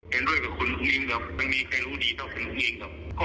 เห็นด้วยกับคุณอุ้งอิงหรอกไม่มีใครรู้ดีต่อคุณอุ้งอิงครับ